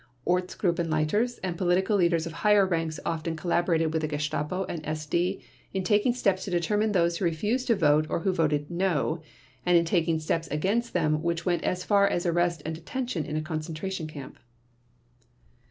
Ortsgruppenleiters and Political Leaders of higher ranks often collaborated with the Gestapo and SD in taking steps to determine those who refused to vote or who voted "no", and in taking steps against them which went as far as arrest and detention in a concentration camp.